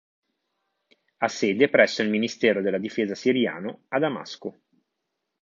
Ha sede presso il ministero della Difesa siriano a Damasco.